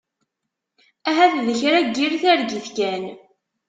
Ahat d kra n yir targit kan.